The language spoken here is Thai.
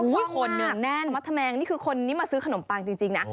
เท่าข้องมากคนเหนื่องแน่นนี่คือคนนี้มาซื้อขนมปังจริง